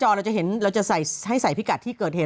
เราจะเห็นเราจะใส่ให้ใส่พิกัดที่เกิดเหตุ